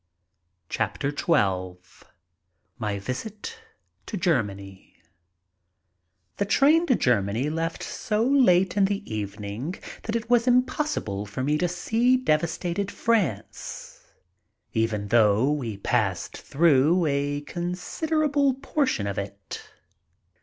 We leave. XII MY VISIT TO GERMANY THE train to Germany left so late in the evening that it was impossible for me to see devastated France even though we passed through a considerable portion of it.